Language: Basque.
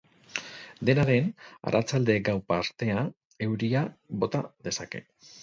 Dena den, arratsalde-gau partean euria bota dezake.